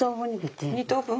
２等分。